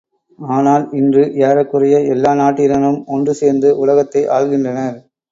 ஆனால் இன்று, ஏறக்குறைய எல்லா நாட்டினரும் ஒன்று சேர்ந்து உலகத்தை ஆள்கின்றனர்.